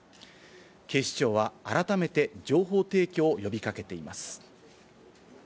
警視庁は改めて情報提供を呼び掛けています。